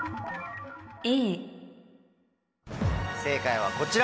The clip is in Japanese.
正解はこちら。